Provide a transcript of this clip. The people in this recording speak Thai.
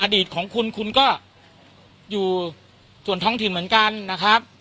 อดีตของคุณคุณก็อยู่ส่วนท้องถิ่นเหมือนกันนะครับ